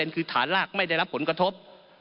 คือฐานลากไม่ได้รับผลกระทบ